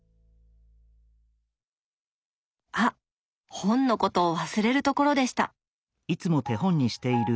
あっ本のことを忘れるところでした！